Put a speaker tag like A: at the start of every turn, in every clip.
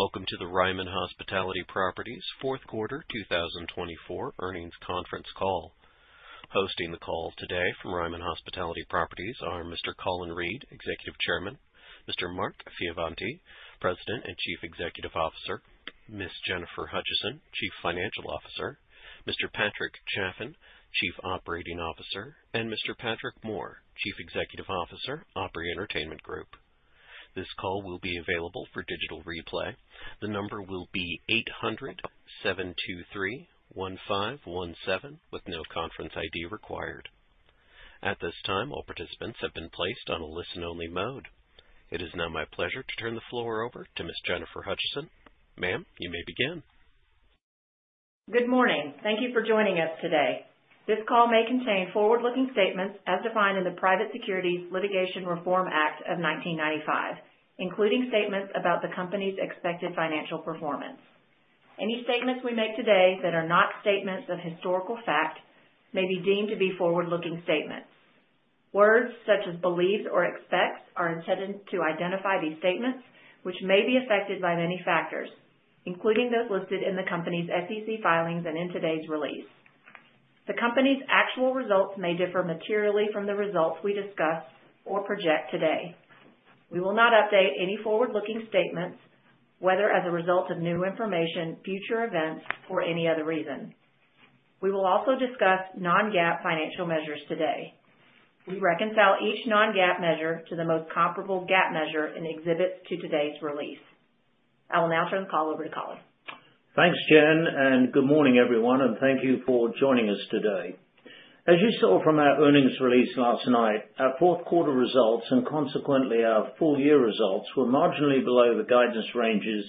A: Welcome to the Ryman Hospitality Properties Fourth Quarter 2024 Earnings Conference Call. Hosting the call today from Ryman Hospitality Properties are Mr. Colin Reed, Executive Chairman, Mr. Mark Fioravanti, President and Chief Executive Officer, Ms. Jennifer Hutcheson, Chief Financial Officer, Mr. Patrick Chaffin, Chief Operating Officer, and Mr. Patrick Moore, Chief Executive Officer, Opry Entertainment Group. This call will be available for digital replay. The number will be 800-723-1517 with no conference ID required. At this time, all participants have been placed on a listen-only mode. It is now my pleasure to turn the floor over to Ms. Jennifer Hutcheson. Ma'am, you may begin.
B: Good morning. Thank you for joining us today. This call may contain forward-looking statements as defined in the Private Securities Litigation Reform Act of 1995, including statements about the company's expected financial performance. Any statements we make today that are not statements of historical fact may be deemed to be forward-looking statements. Words such as "believes" or "expects" are intended to identify these statements, which may be affected by many factors, including those listed in the company's SEC filings and in today's release. The company's actual results may differ materially from the results we discuss or project today. We will not update any forward-looking statements, whether as a result of new information, future events, or any other reason. We will also discuss non-GAAP financial measures today. We reconcile each non-GAAP measure to the most comparable GAAP measure and exhibits to today's release. I will now turn the call over to Colin.
C: Thanks, Jen, and good morning, everyone, and thank you for joining us today. As you saw from our earnings release last night, our fourth quarter results and consequently our full-year results were marginally below the guidance ranges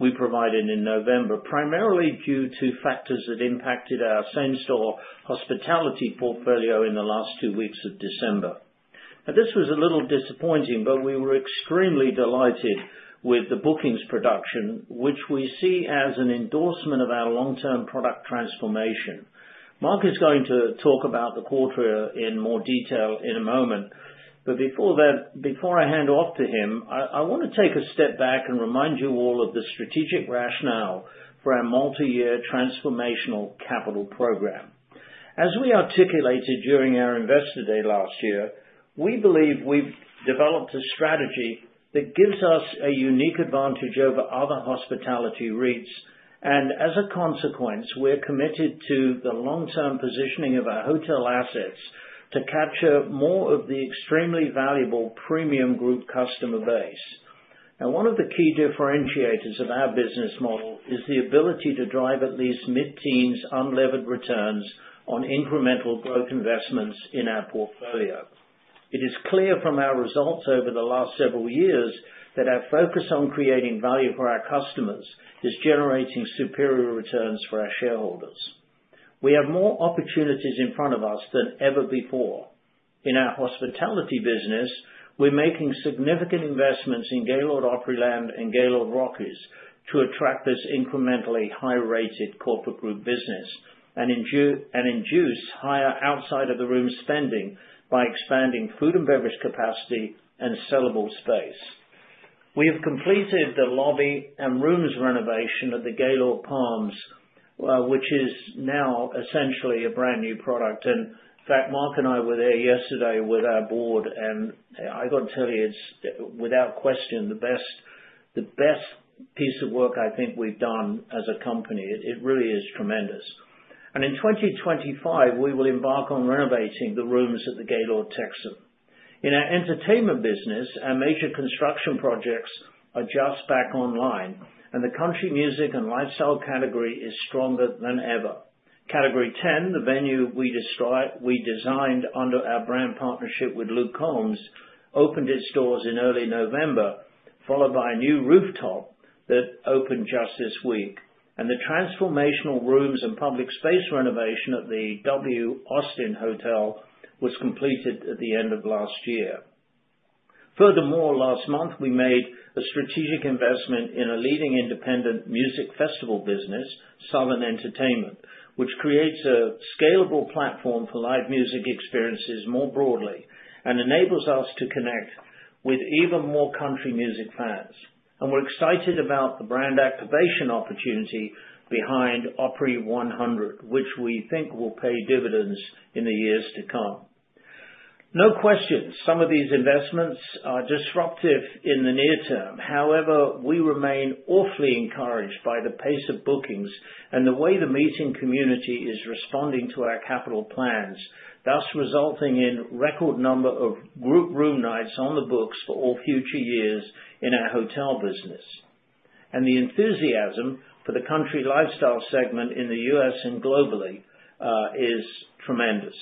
C: we provided in November, primarily due to factors that impacted our Same-Store Hospitality portfolio in the last two weeks of December. Now, this was a little disappointing, but we were extremely delighted with the bookings production, which we see as an endorsement of our long-term product transformation. Mark is going to talk about the quarter in more detail in a moment, but before I hand off to him, I want to take a step back and remind you all of the strategic rationale for our multi-year transformational capital program. As we articulated during our Investor Day last year, we believe we've developed a strategy that gives us a unique advantage over other hospitality REITs, and as a consequence, we're committed to the long-term positioning of our hotel assets to capture more of the extremely valuable premium group customer base. Now, one of the key differentiators of our business model is the ability to drive at least mid-teens, unlevered returns on incremental growth investments in our portfolio. It is clear from our results over the last several years that our focus on creating value for our customers is generating superior returns for our shareholders. We have more opportunities in front of us than ever before. In our hospitality business, we're making significant investments in Gaylord Opryland and Gaylord Rockies to attract this incrementally high-rated corporate group business and induce higher outside-of-the-room spending by expanding food and beverage capacity and sellable space. We have completed the lobby and rooms renovation at the Gaylord Palms, which is now essentially a brand new product. In fact, Mark and I were there yesterday with our board, and I got to tell you, it's without question the best piece of work I think we've done as a company. It really is tremendous. In 2025, we will embark on renovating the rooms at the Gaylord Texan. In our entertainment business, our major construction projects are just back online, and the country music and lifestyle category is stronger than ever. Category 10, the venue we designed under our brand partnership with Luke Combs, opened its doors in early November, followed by a new rooftop that opened just this week, and the transformational rooms and public space renovation at the W Austin Hotel was completed at the end of last year. Furthermore, last month, we made a strategic investment in a leading independent music festival business, Southern Entertainment, which creates a scalable platform for live music experiences more broadly and enables us to connect with even more country music fans, and we're excited about the brand activation opportunity behind Opry 100, which we think will pay dividends in the years to come. No question, some of these investments are disruptive in the near term. However, we remain awfully encouraged by the pace of bookings and the way the meeting community is responding to our capital plans, thus resulting in a record number of group room nights on the books for all future years in our hotel business. The enthusiasm for the country lifestyle segment in the U.S. and globally is tremendous.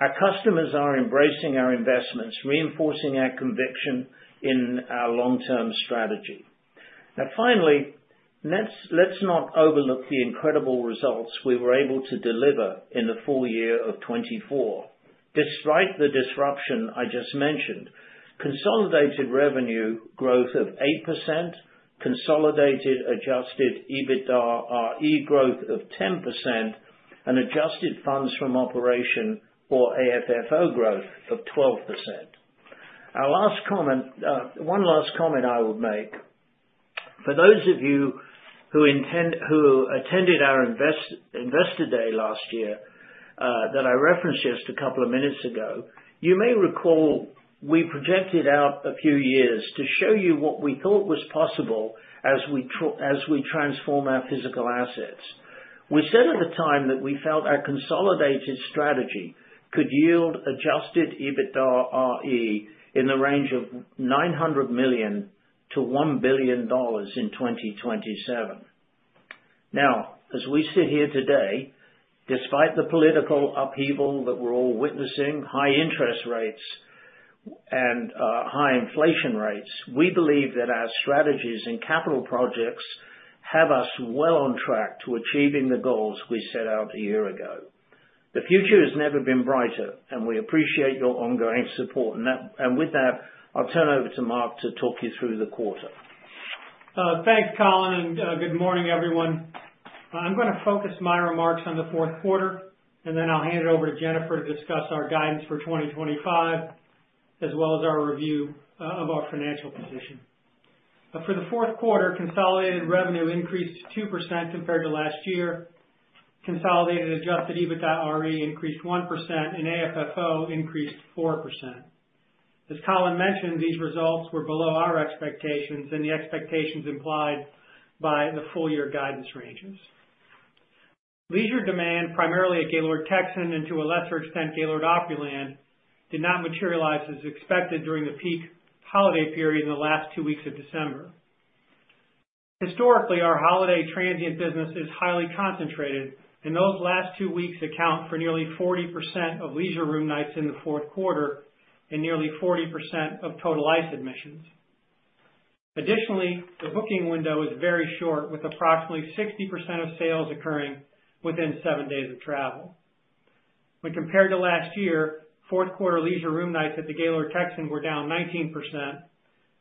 C: Our customers are embracing our investments, reinforcing our conviction in our long-term strategy. Now, finally, let's not overlook the incredible results we were able to deliver in the full year of 2024. Despite the disruption I just mentioned, consolidated revenue growth of 8%, consolidated adjusted EBITDAre growth of 10%, and adjusted funds from operations for AFFO growth of 12%. One last comment I would make. For those of you who attended our Investor Day last year that I referenced just a couple of minutes ago, you may recall we projected out a few years to show you what we thought was possible as we transform our physical assets. We said at the time that we felt our consolidated strategy could yield Adjusted EBITDAre in the range of $900 million-$1 billion in 2027. Now, as we sit here today, despite the political upheaval that we're all witnessing, high interest rates, and high inflation rates, we believe that our strategies and capital projects have us well on track to achieving the goals we set out a year ago. The future has never been brighter, and we appreciate your ongoing support. And with that, I'll turn over to Mark to talk you through the quarter.
D: Thanks, Colin, and good morning, everyone. I'm going to focus my remarks on the fourth quarter, and then I'll hand it over to Jennifer to discuss our guidance for 2025, as well as our review of our financial position. For the fourth quarter, consolidated revenue increased 2% compared to last year. Consolidated Adjusted EBITDAre increased 1%, and AFFO increased 4%. As Colin mentioned, these results were below our expectations and the expectations implied by the full-year guidance ranges. Leisure demand, primarily at Gaylord Texan and to a lesser extent Gaylord Opryland, did not materialize as expected during the peak holiday period in the last two weeks of December. Historically, our holiday transient business is highly concentrated, and those last two weeks account for nearly 40% of leisure room nights in the fourth quarter and nearly 40% of total ICE! admissions. Additionally, the booking window is very short, with approximately 60% of sales occurring within seven days of travel. When compared to last year, fourth quarter leisure room nights at the Gaylord Texan were down 19%,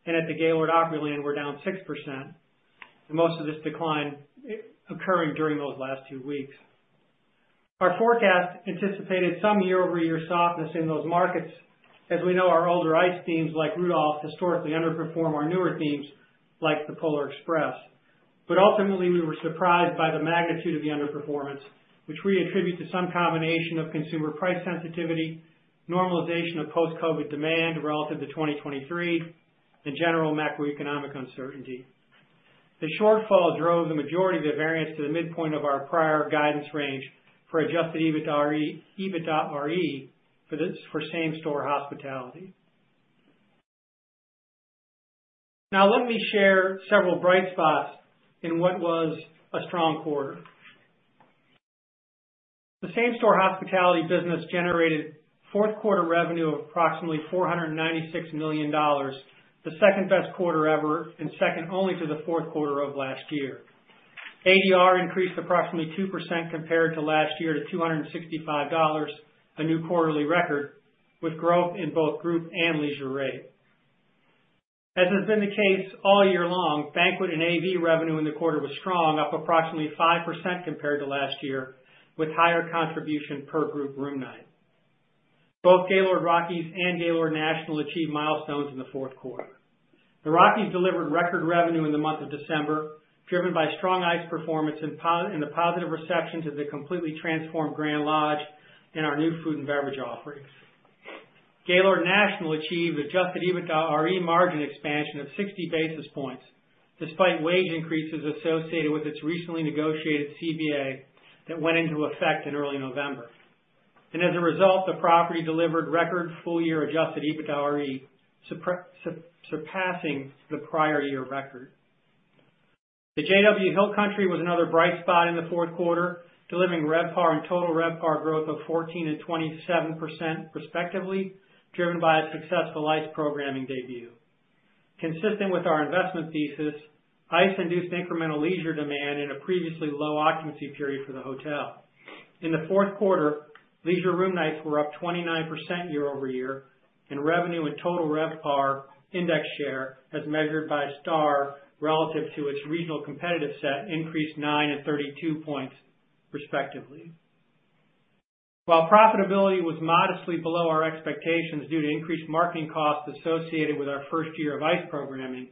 D: and at the Gaylord Opryland were down 6%. Most of this decline occurring during those last two weeks. Our forecast anticipated some year-over-year softness in those markets, as we know our older ICE! themes like Rudolph historically underperform our newer themes like the Polar Express. But ultimately, we were surprised by the magnitude of the underperformance, which we attribute to some combination of consumer price sensitivity, normalization of post-COVID demand relative to 2023, and general macroeconomic uncertainty. The shortfall drove the majority of the variance to the midpoint of our prior guidance range for adjusted EBITDAre for same-store hospitality. Now, let me share several bright spots in what was a strong quarter. The Same-Store Hospitality business generated fourth quarter revenue of approximately $496 million, the second-best quarter ever and second only to the fourth quarter of last year. ADR increased approximately 2% compared to last year to $265, a new quarterly record, with growth in both group and leisure rate. As has been the case all year long, banquet and AV revenue in the quarter was strong, up approximately 5% compared to last year, with higher contribution per group room night. Both Gaylord Rockies and Gaylord National achieved milestones in the fourth quarter. The Rockies delivered record revenue in the month of December, driven by strong ICE! performance and the positive reception to the completely transformed Grand Lodge and our new food and beverage offerings. Gaylord National achieved Adjusted EBITDAre margin expansion of 60 basis points, despite wage increases associated with its recently negotiated CBA that went into effect in early November. And as a result, the property delivered record full-year Adjusted EBITDAre, surpassing the prior year record. The JW Hill Country was another bright spot in the fourth quarter, delivering RevPAR and Total RevPAR growth of 14% and 27% respectively, driven by a successful ICE! programming debut. Consistent with our investment thesis, ICE! induced incremental leisure demand in a previously low occupancy period for the hotel. In the fourth quarter, leisure room nights were up 29% year-over-year, and revenue and Total RevPAR index share, as measured by STAR relative to its regional competitive set, increased 9% and 32 points respectively. While profitability was modestly below our expectations due to increased marketing costs associated with our first year of ICE! programming,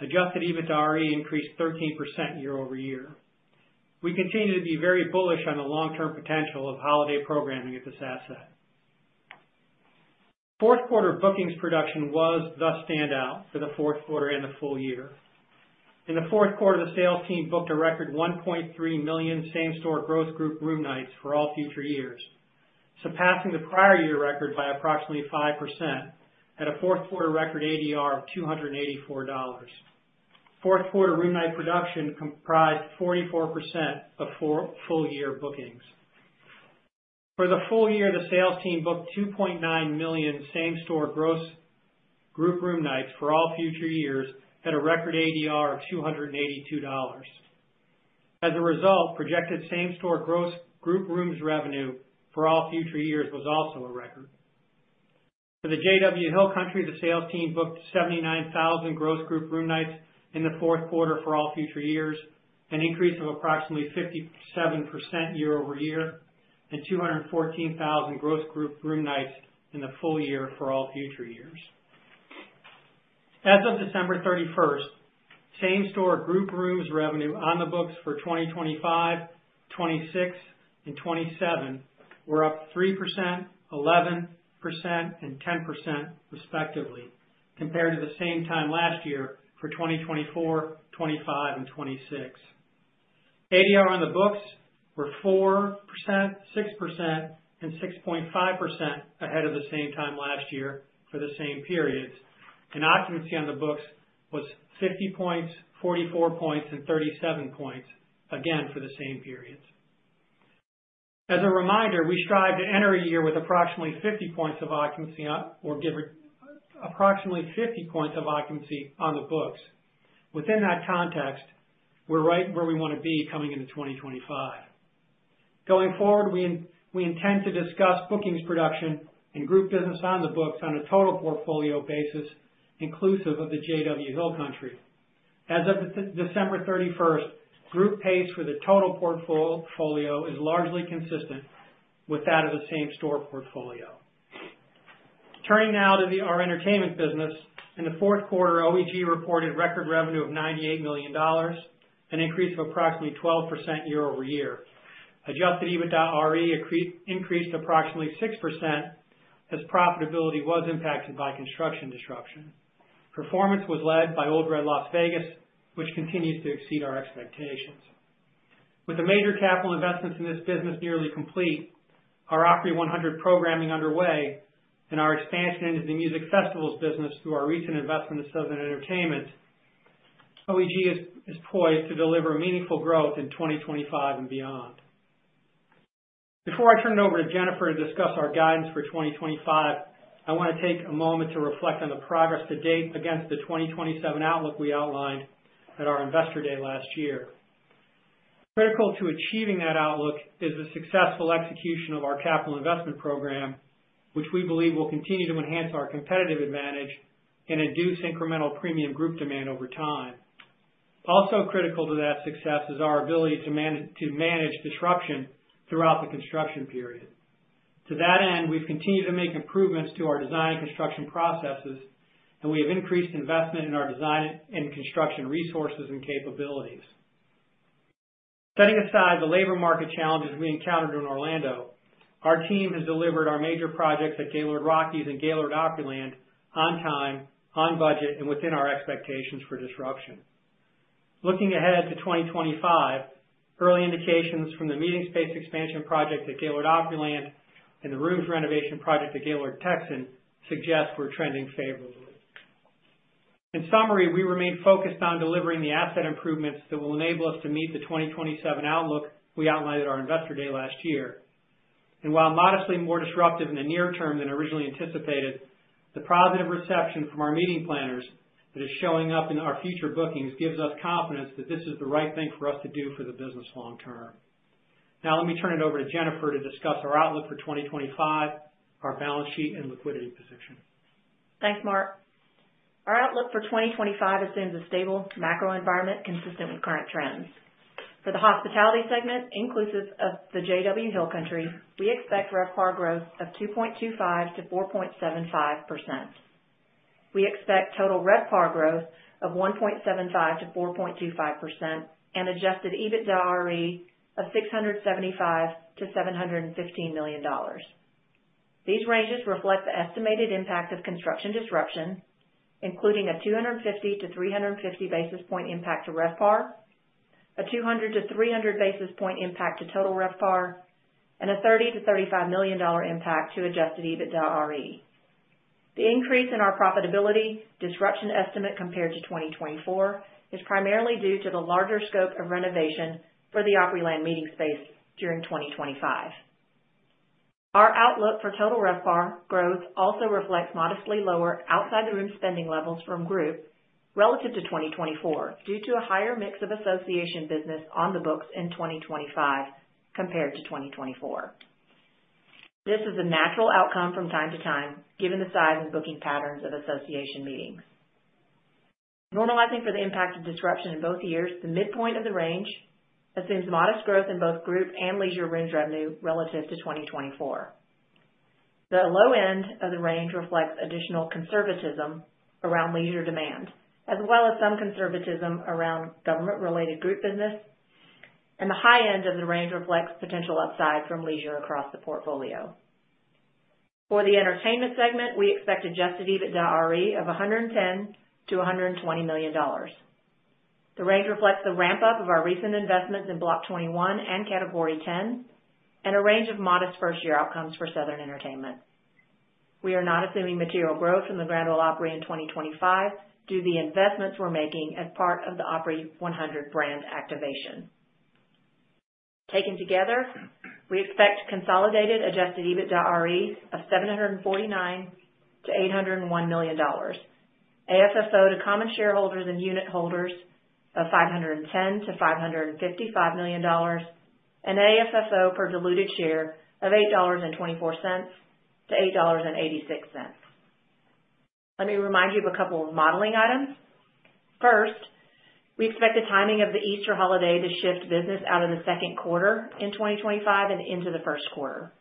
D: Adjusted EBITDAre increased 13% year-over-year. We continue to be very bullish on the long-term potential of holiday programming at this asset. Fourth quarter bookings production was the standout for the fourth quarter and the full year. In the fourth quarter, the sales team booked a record 1.3 million Same-Store Growth Group room nights for all future years, surpassing the prior year record by approximately 5% at a fourth quarter record ADR of $284. Fourth quarter room night production comprised 44% of full-year bookings. For the full year, the sales team booked 2.9 million Same-Store Growth Group room nights for all future years at a record ADR of $282. As a result, projected Same-Store Growth Group rooms revenue for all future years was also a record. For the JW Hill Country, the sales team booked 79,000 Growth Group room nights in the fourth quarter for all future years, an increase of approximately 57% year-over-year, and 214,000 Growth Group room nights in the full year for all future years. As of December 31st, Same-Store Group rooms revenue on the books for 2025, 2026, and 2027 were up 3%, 11%, and 10% respectively, compared to the same time last year for 2024, 2025, and 2026. ADR on the books were 4%, 6%, and 6.5% ahead of the same time last year for the same periods. And occupancy on the books was 50 points, 44 points, and 37 points, again for the same periods. As a reminder, we strive to enter a year with approximately 50 points of occupancy or approximately 50 points of occupancy on the books. Within that context, we're right where we want to be coming into 2025. Going forward, we intend to discuss bookings production and group business on the books on a total portfolio basis, inclusive of the JW Hill Country. As of December 31st, group pace for the total portfolio is largely consistent with that of the Same-Store portfolio. Turning now to our entertainment business, in the fourth quarter, OEG reported record revenue of $98 million, an increase of approximately 12% year-over-year. Adjusted EBITDAre increased approximately 6% as profitability was impacted by construction disruption. Performance was led by Ole Red Las Vegas, which continues to exceed our expectations. With the major capital investments in this business nearly complete, our Opry 100 programming underway, and our expansion into the music festivals business through our recent investment in Southern Entertainment, OEG is poised to deliver meaningful growth in 2025 and beyond. Before I turn it over to Jennifer to discuss our guidance for 2025, I want to take a moment to reflect on the progress to date against the 2027 outlook we outlined at our Investor Day last year. Critical to achieving that outlook is the successful execution of our capital investment program, which we believe will continue to enhance our competitive advantage and induce incremental premium group demand over time. Also critical to that success is our ability to manage disruption throughout the construction period. To that end, we've continued to make improvements to our design and construction processes, and we have increased investment in our design and construction resources and capabilities. Setting aside the labor market challenges we encountered in Orlando, our team has delivered our major projects at Gaylord Rockies and Gaylord Opryland on time, on budget, and within our expectations for disruption. Looking ahead to 2025, early indications from the meeting space expansion project at Gaylord Opryland and the rooms renovation project at Gaylord Texan suggest we're trending favorably. In summary, we remain focused on delivering the asset improvements that will enable us to meet the 2027 outlook we outlined at our Investor Day last year. And while modestly more disruptive in the near term than originally anticipated, the positive reception from our meeting planners that is showing up in our future bookings gives us confidence that this is the right thing for us to do for the business long term. Now, let me turn it over to Jennifer to discuss our outlook for 2025, our balance sheet, and liquidity position.
B: Thanks, Mark. Our outlook for 2025 assumes a stable macro environment consistent with current trends. For the hospitality segment, inclusive of the JW Hill Country, we expect RevPAR growth of 2.25%-4.75%. We expect total RevPAR growth of 1.75%-4.25% and Adjusted EBITDAre of $675 million-$715 million. These ranges reflect the estimated impact of construction disruption, including a 250-350 basis points impact to RevPAR, a 200-300 basis points impact to Total RevPAR, and a $30 million-$35 million impact to Adjusted EBITDAre. The increase in our profitability disruption estimate compared to 2024 is primarily due to the larger scope of renovation for the Opryland meeting space during 2025. Our outlook for Total RevPAR growth also reflects modestly lower outside-the-room spending levels from group relative to 2024 due to a higher mix of association business on the books in 2025 compared to 2024. This is a natural outcome from time to time, given the size and booking patterns of association meetings. Normalizing for the impact of disruption in both years, the midpoint of the range assumes modest growth in both group and leisure rooms revenue relative to 2024. The low end of the range reflects additional conservatism around leisure demand, as well as some conservatism around government-related group business, and the high end of the range reflects potential upside from leisure across the portfolio. For the entertainment segment, we expect Adjusted EBITDAre of $110 million-$120 million. The range reflects the ramp-up of our recent investments in Block 21 and Category 10, and a range of modest first-year outcomes for Southern Entertainment. We are not assuming material growth from the Grand Ole Opry in 2025 due to the investments we're making as part of the Opry 100 brand activation. Taken together, we expect consolidated adjusted EBITDAre of $749 million-$801 million, AFFO to common shareholders and unit holders of $510 million-$555 million, and AFFO per diluted share of $8.24-$8.86. Let me remind you of a couple of modeling items. First, we expect the timing of the Easter holiday to shift business out of the second quarter in 2025 and into the first quarter.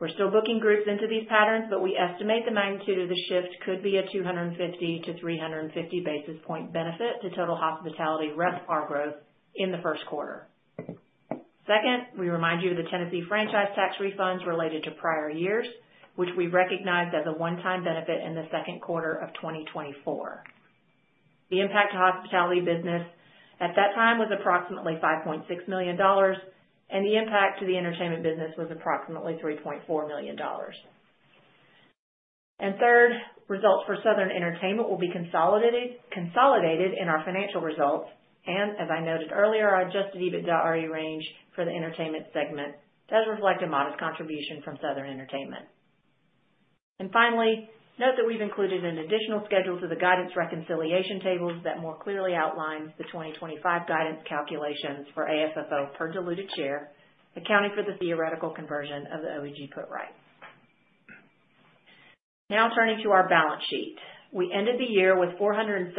B: We're still booking groups into these patterns, but we estimate the magnitude of the shift could be a 250 to 350 basis point benefit to total hospitality RevPAR growth in the first quarter. Second, we remind you of the Tennessee franchise tax refunds related to prior years, which we recognized as a one-time benefit in the second quarter of 2024. The impact to hospitality business at that time was approximately $5.6 million, and the impact to the entertainment business was approximately $3.4 million. And third, results for Southern Entertainment will be consolidated in our financial results, and as I noted earlier, our adjusted EBITDAre range for the entertainment segment does reflect a modest contribution from Southern Entertainment. Finally, note that we've included an additional schedule to the guidance reconciliation tables that more clearly outlines the 2025 guidance calculations for AFFO per diluted share, accounting for the theoretical conversion of the OEG put rights. Now, turning to our balance sheet, we ended the year with $478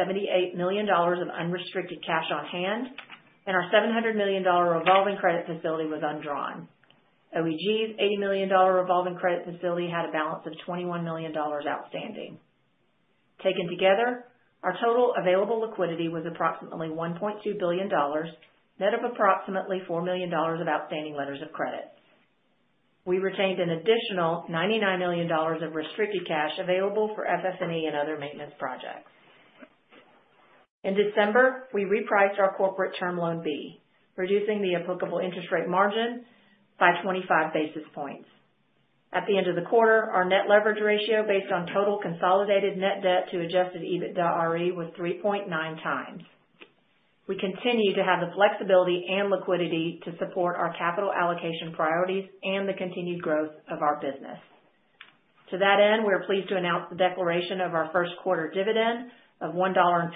B: million of unrestricted cash on hand, and our $700 million revolving credit facility was undrawn. OEG's $80 million revolving credit facility had a balance of $21 million outstanding. Taken together, our total available liquidity was approximately $1.2 billion, net of approximately $4 million of outstanding letters of credit. We retained an additional $99 million of restricted cash available for FF&E and other maintenance projects. In December, we repriced our Corporate Term Loan B, reducing the applicable interest rate margin by 25 basis points. At the end of the quarter, our net leverage ratio based on total consolidated net debt to Adjusted EBITDAre was 3.9 times. We continue to have the flexibility and liquidity to support our capital allocation priorities and the continued growth of our business. To that end, we are pleased to announce the declaration of our first quarter dividend of $1.15,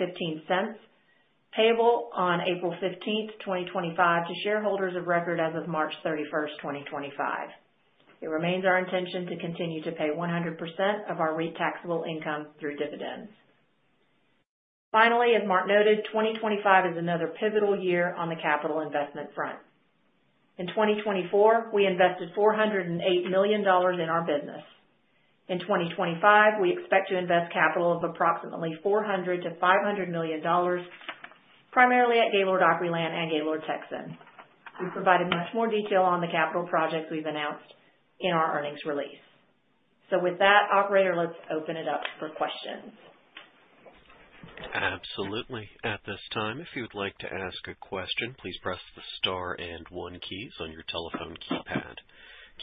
B: payable on April 15th, 2025, to shareholders of record as of March 31st, 2025. It remains our intention to continue to pay 100% of our REIT taxable income through dividends. Finally, as Mark noted, 2025 is another pivotal year on the capital investment front. In 2024, we invested $408 million in our business. In 2025, we expect to invest capital of approximately $400 million-$500 million, primarily at Gaylord Opryland and Gaylord Texan. We've provided much more detail on the capital projects we've announced in our earnings release. So with that, Operator, let's open it up for questions.
A: Absolutely. At this time, if you would like to ask a question, please press the star and one keys on your telephone keypad.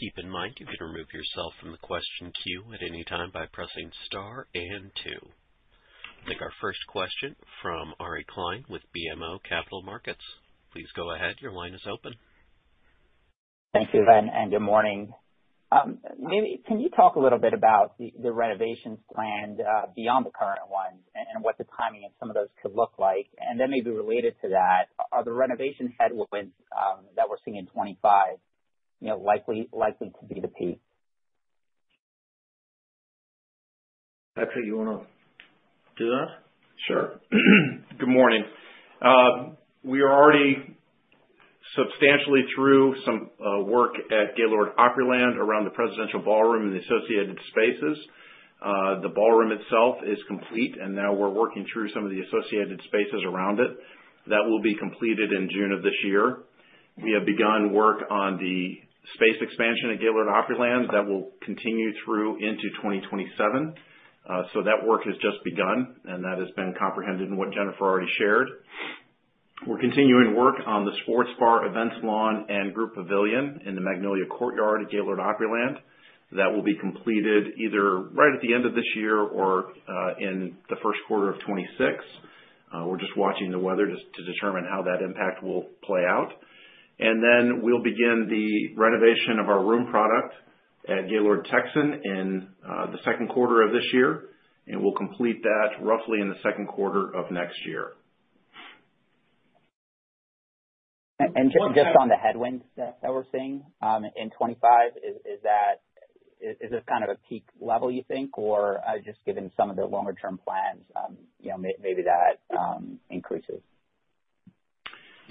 A: Keep in mind, you can remove yourself from the question queue at any time by pressing star and two. I think our first question from Ari Klein with BMO Capital Markets. Please go ahead. Your line is open.
E: Thank you, Ryman, and good morning. Maybe can you talk a little bit about the renovations planned beyond the current ones and what the timing of some of those could look like? And then maybe related to that, are the renovation headwinds that we're seeing in 2025 likely to be the peak?
C: Patrick, you want to do that?
F: Sure. Good morning. We are already substantially through some work at Gaylord Opryland around the presidential ballroom and the associated spaces. The ballroom itself is complete, and now we're working through some of the associated spaces around it. That will be completed in June of this year. We have begun work on the space expansion at Gaylord Opryland that will continue through into 2027. So that work has just begun, and that has been comprehended in what Jennifer already shared. We're continuing work on the sports bar, events lawn, and group pavilion in the Magnolia Courtyard at Gaylord Opryland. That will be completed either right at the end of this year or in the first quarter of 2026. We're just watching the weather to determine how that impact will play out. And then we'll begin the renovation of our room product at Gaylord Texan in the second quarter of this year, and we'll complete that roughly in the second quarter of next year.
E: And just on the headwinds that we're seeing in 2025, is this kind of a peak level, you think, or just given some of the longer-term plans, maybe that increases?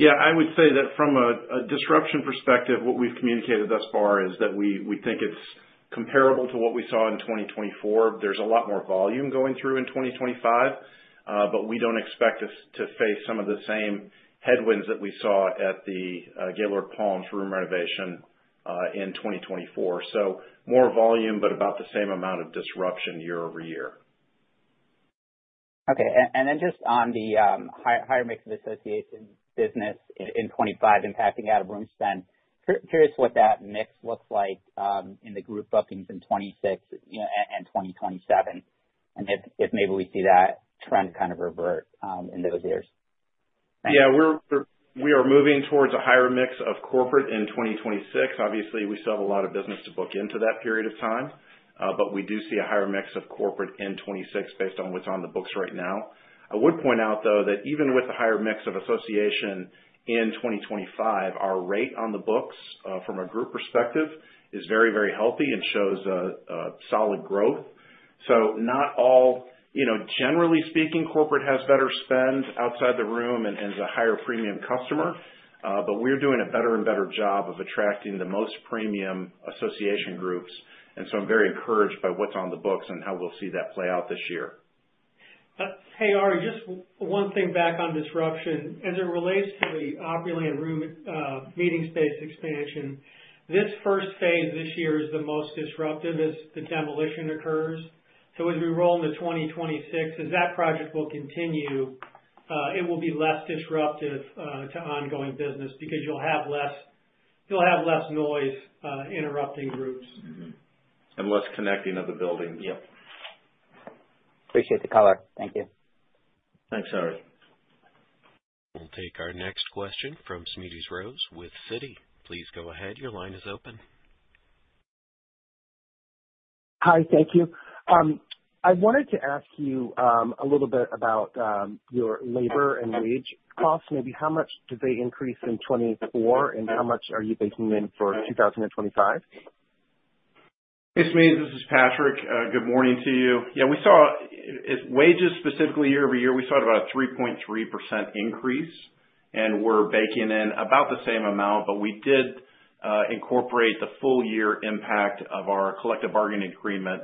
F: Yeah, I would say that from a disruption perspective, what we've communicated thus far is that we think it's comparable to what we saw in 2024. There's a lot more volume going through in 2025, but we don't expect us to face some of the same headwinds that we saw at the Gaylord Palms room renovation in 2024. So more volume, but about the same amount of disruption year-over-year.
E: Okay, and then just on the higher mix of the association business in 2025 impacting out-of-room spend, curious what that mix looks like in the group bookings in 2026 and 2027, and if maybe we see that trend kind of revert in those years?
F: Yeah, we are moving towards a higher mix of corporate in 2026. Obviously, we still have a lot of business to book into that period of time, but we do see a higher mix of corporate in 2026 based on what's on the books right now. I would point out, though, that even with the higher mix of association in 2025, our rate on the books from a group perspective is very, very healthy and shows solid growth, so not all, generally speaking, corporate has better spend outside the room and is a higher premium customer, but we're doing a better and better job of attracting the most premium association groups, and so I'm very encouraged by what's on the books and how we'll see that play out this year.
D: Hey, Ari, just one thing back on disruption. As it relates to the Opryland room meeting space expansion, this first phase this year is the most disruptive as the demolition occurs. So as we roll into 2026, as that project will continue, it will be less disruptive to ongoing business because you'll have less noise interrupting groups.
F: And less connecting of the building.
E: Yep. Appreciate the color. Thank you.
F: Thanks, Ari.
A: We'll take our next question from Smedes Rose with Citi. Please go ahead. Your line is open.
G: Hi, thank you. I wanted to ask you a little bit about your labor and wage costs. Maybe how much did they increase in 2024, and how much are you baking in for 2025?
F: Hey, Smedes, this is Patrick. Good morning to you. Yeah, we saw wages specifically year-over-year, we saw about a 3.3% increase, and we're baking in about the same amount, but we did incorporate the full year impact of our collective bargaining agreement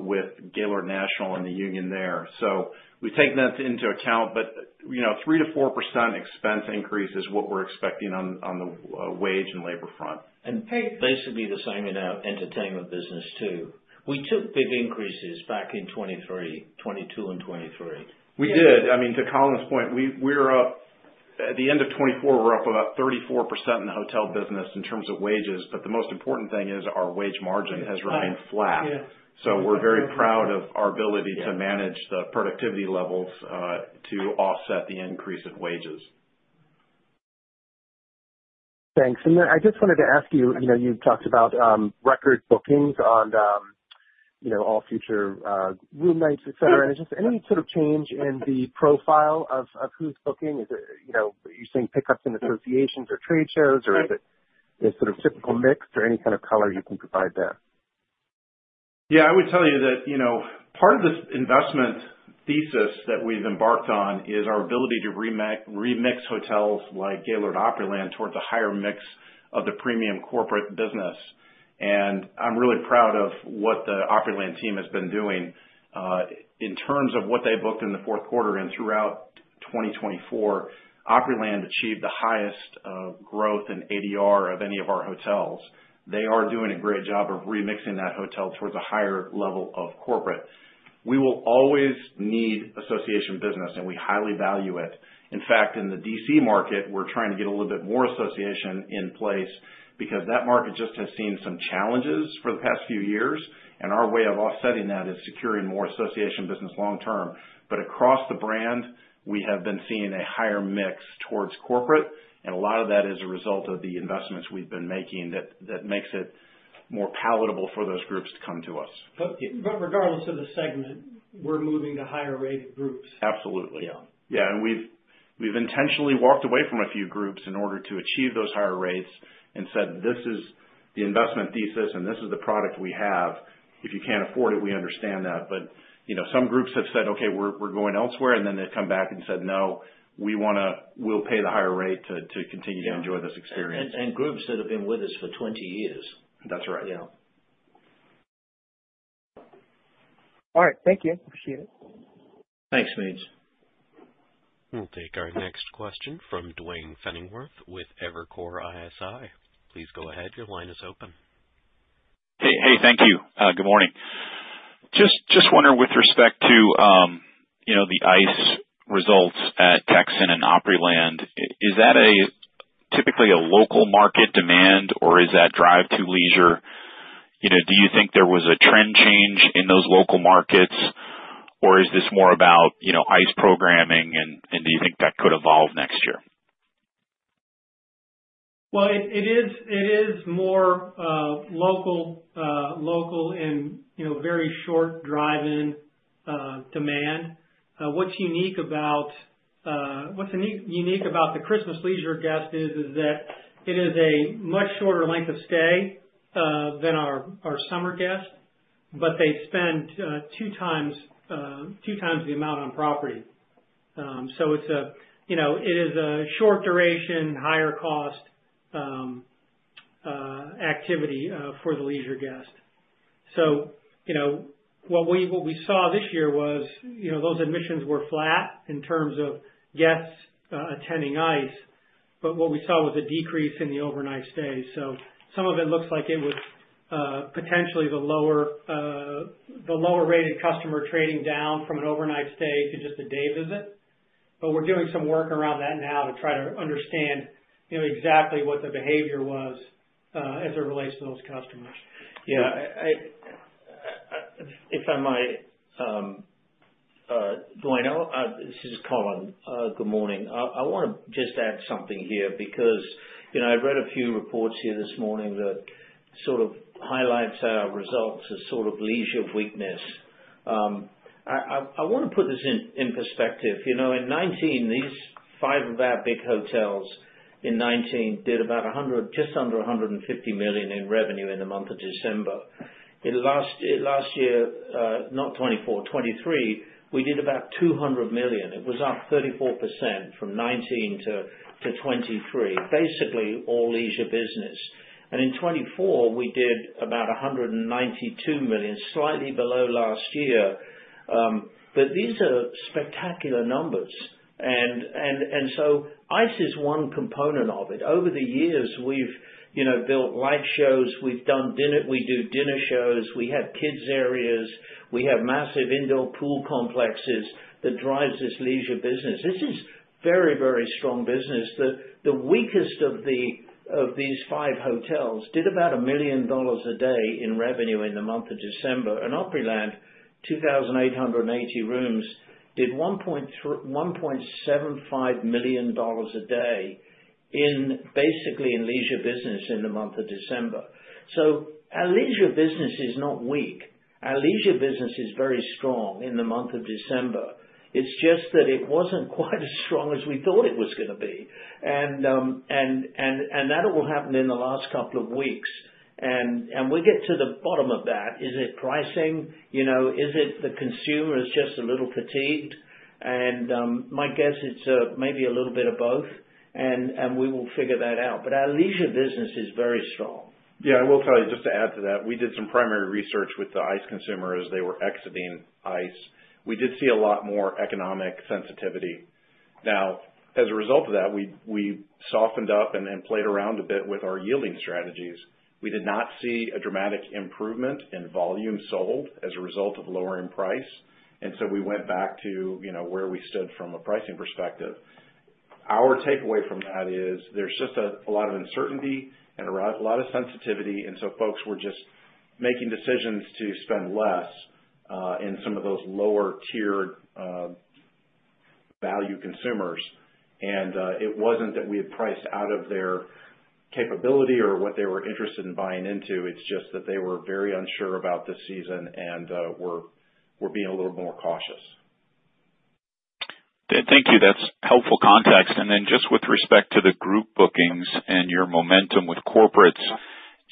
F: with Gaylord National and the union there. So we take that into account, but 3%-4% expense increase is what we're expecting on the wage and labor front.
C: And basically the same in our entertainment business too. We took big increases back in 2022 and 2023.
F: We did. I mean, to Colin's point, at the end of 2024, we're up about 34% in the hotel business in terms of wages, but the most important thing is our wage margin has remained flat. So we're very proud of our ability to manage the productivity levels to offset the increase in wages.
G: Thanks. And then I just wanted to ask you, you've talked about record bookings on all future room nights, etc. Is there any sort of change in the profile of who's booking? Are you seeing pickups in associations or trade shows, or is it sort of typical mix? Or any kind of color you can provide there?
F: Yeah, I would tell you that part of this investment thesis that we've embarked on is our ability to remix hotels like Gaylord Opryland towards a higher mix of the premium corporate business. And I'm really proud of what the Opryland team has been doing. In terms of what they booked in the fourth quarter and throughout 2024, Opryland achieved the highest growth in ADR of any of our hotels. They are doing a great job of remixing that hotel towards a higher level of corporate. We will always need association business, and we highly value it. In fact, in the D.C. market, we're trying to get a little bit more association in place because that market just has seen some challenges for the past few years, and our way of offsetting that is securing more association business long term. But across the brand, we have been seeing a higher mix towards corporate, and a lot of that is a result of the investments we've been making that makes it more palatable for those groups to come to us.
D: But regardless of the segment, we're moving to higher-rated groups.
F: Absolutely. Yeah, and we've intentionally walked away from a few groups in order to achieve those higher rates and said, "This is the investment thesis, and this is the product we have. If you can't afford it, we understand that," but some groups have said, "Okay, we're going elsewhere," and then they've come back and said, "No, we'll pay the higher rate to continue to enjoy this experience.
C: Groups that have been with us for 20 years.
D: That's right.
G: All right. Thank you. Appreciate it.
C: Thanks, Smedes.
A: We'll take our next question from Duane Pfennigwerth with Evercore ISI. Please go ahead. Your line is open.
H: Hey, thank you. Good morning. Just wondering with respect to the ICE! results at Texan and Opryland, is that typically a local market demand, or is that drive-to leisure? Do you think there was a trend change in those local markets, or is this more about ICE! programming, and do you think that could evolve next year?
D: It is more local and very short drive-in demand. What's unique about the Christmas leisure guest is that it is a much shorter length of stay than our summer guest, but they spend two times the amount on property. It is a short duration, higher-cost activity for the leisure guest. What we saw this year was those admissions were flat in terms of guests attending ICE!, but what we saw was a decrease in the overnight stay. Some of it looks like it was potentially the lower-rated customer trading down from an overnight stay to just a day visit. We're doing some work around that now to try to understand exactly what the behavior was as it relates to those customers.
C: Yeah. If I may, Duane, this is Colin. Good morning. I want to just add something here because I read a few reports here this morning that sort of highlights our results as sort of leisure weakness. I want to put this in perspective. In 2019, these five of our big hotels in 2019 did about just under $150 million in revenue in the month of December. Last year, not 2024, 2023, we did about $200 million. It was up 34% from 2019 to 2023, basically all leisure business, and in 2024, we did about $192 million, slightly below last year, but these are spectacular numbers, and so ICE! is one component of it. Over the years, we've built light shows. We do dinner shows. We have kids' areas. We have massive indoor pool complexes that drive this leisure business. This is very, very strong business. The weakest of these five hotels did about $1 million a day in revenue in the month of December, and Opryland, 2,880 rooms, did $1.75 million a day basically in leisure business in the month of December, so our leisure business is not weak. Our leisure business is very strong in the month of December. It's just that it wasn't quite as strong as we thought it was going to be, and that will happen in the last couple of weeks, and we get to the bottom of that. Is it pricing? Is it the consumer is just a little fatigued, and my guess is maybe a little bit of both, and we will figure that out. But our leisure business is very strong.
F: Yeah, I will tell you, just to add to that, we did some primary research with the ICE! consumers as they were exiting ICE! We did see a lot more economic sensitivity. Now, as a result of that, we softened up and played around a bit with our yielding strategies. We did not see a dramatic improvement in volume sold as a result of lowering price. And so we went back to where we stood from a pricing perspective. Our takeaway from that is there's just a lot of uncertainty and a lot of sensitivity, and so folks were just making decisions to spend less in some of those lower-tier value consumers. And it wasn't that we had priced out of their capability or what they were interested in buying into. It's just that they were very unsure about the season and were being a little more cautious.
H: Thank you. That's helpful context. And then just with respect to the group bookings and your momentum with corporates,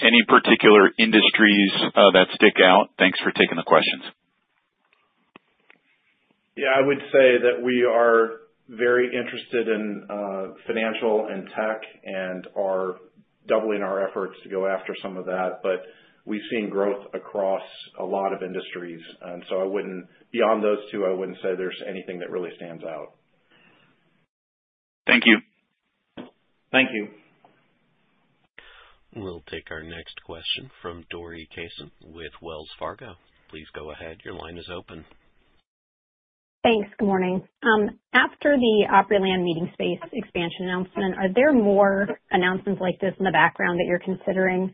H: any particular industries that stick out? Thanks for taking the questions.
F: Yeah, I would say that we are very interested in financial and tech and are doubling our efforts to go after some of that, but we've seen growth across a lot of industries, and so beyond those two, I wouldn't say there's anything that really stands out.
E: Thank you.
F: Thank you.
A: We'll take our next question from Dori Kesten with Wells Fargo. Please go ahead. Your line is open.
I: Thanks. Good morning. After the Opryland meeting space expansion announcement, are there more announcements like this in the background that you're considering,